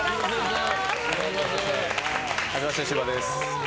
はじめまして、シウマです。